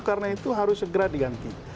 karena itu harus segera diganti